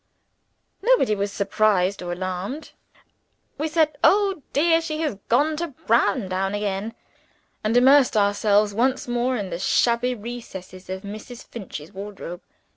Nobody was surprised or alarmed. We said, "Oh, dear, she has gone to Browndown again!" and immersed ourselves once more in the shabby recesses of Mrs. Finch's wardrobe.